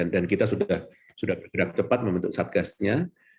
dan kita sudah bergerak cepat membentuk satgasnya